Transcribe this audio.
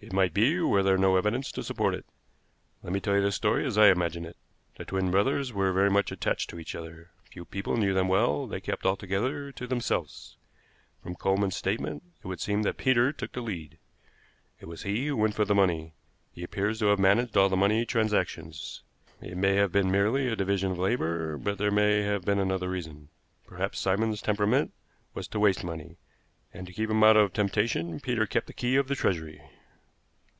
"It might be were there no evidence to support it. Let me tell the story as I imagine it. The twin brothers were much attached to each other. Few people knew them well; they kept altogether to themselves. From Coleman's statement it would seem that Peter took the lead. It was he who went for the money. He appears to have managed all the money transactions. It may have been merely a division of labor, but there may have been another reason. Perhaps Simon's temperament was to waste money, and to keep him out of temptation Peter kept the key of the treasury."